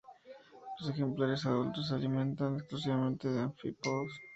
Los ejemplares adultos se alimentan exclusivamente de anfípodos.